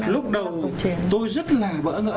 lúc đầu tôi rất là bỡ ngỡ